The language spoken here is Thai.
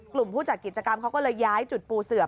ผู้จัดกิจกรรมเขาก็เลยย้ายจุดปูเสือบ